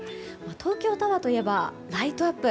東京タワーといえばライトアップ。